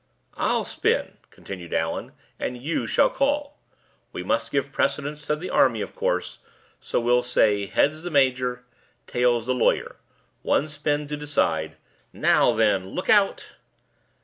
"I'll spin," continued Allan, "and you shall call. We must give precedence to the army, of course; so we'll say Heads, the major; Tails, the lawyer. One spin to decide. Now, then, look out!"